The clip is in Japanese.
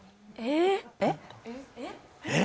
・えっ？